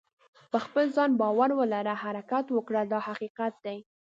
په خپل ځان باور ولره حرکت وکړه دا حقیقت دی.